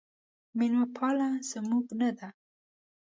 میلمه پاله زموږ نه ده